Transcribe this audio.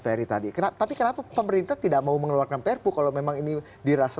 ferry tadi tapi kenapa pemerintah tidak mau mengeluarkan perpu kalau memang ini dirasa